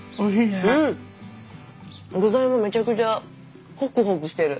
具材もめちゃくちゃホクホクしてる。